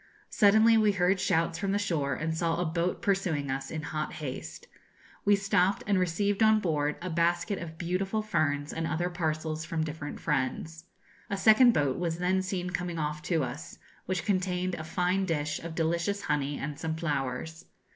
Suddenly we heard shouts from the shore, and saw a boat pursuing us in hot haste. We stopped, and received on board a basket of beautiful ferns and other parcels from different friends. A second boat was then seen coming off to us, which contained a fine dish of delicious honey and some flowers.